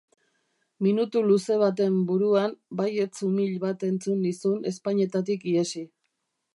Minutu luze baten buruan, baietz umil bat entzun nizun ezpainetatik ihesi.